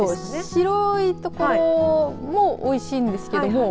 白いところもおいしいんですけども。